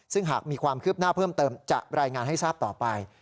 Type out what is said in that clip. ซึ่งหากมีความคืบหน้าเพิ่มเติมจะรายงานให้ทราบต่อไป